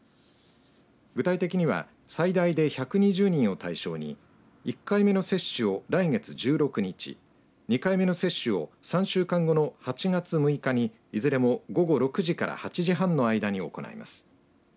具体的には最大で１２０人を対象に１回目の接種を来月１６日２回目の接種を３週間後の８月６日にいずれも午後６時から８時半の間に行います。